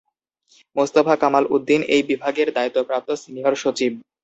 মোস্তফা কামাল উদ্দিন এই বিভাগের দায়িত্বপ্রাপ্ত সিনিয়র সচিব।